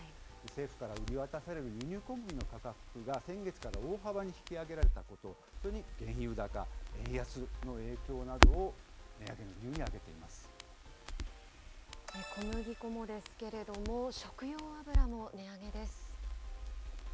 政府から売り渡される輸入小麦の価格が先月から大幅に引き上げられたこと、それに原油高、円安の影響などを値上げの理由に挙げて小麦粉もですけれども、食用油も値上げです。